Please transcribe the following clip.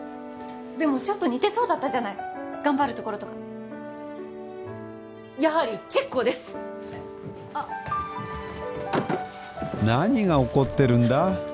でもちょっと似てそうだったじゃない頑張るところとかやはり結構ですあっ何が起こってるんだ？